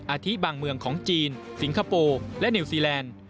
อาทิบางเมืองของจีนสิงคโปร์และนิวซีแลนด์